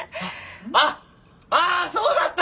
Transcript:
あああそうだった！